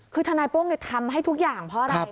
คือทนายโป้งทำให้ทุกอย่างเพราะอะไร